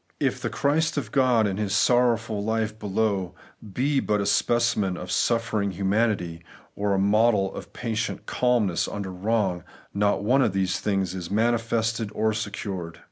If the Christ of God, in His sorrowful life below, be but a specimen of suffer ing humanity, or a model of patient calmness under wrong, not one of these things is manifested or secured.